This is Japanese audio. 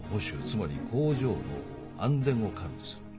つまり工場の安全を管理する。